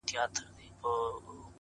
تا داسې زه غوښتنه خپله دا دی خواره سوې”